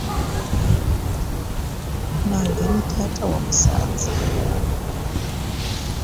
Bannange ne taata wamusanzeewo?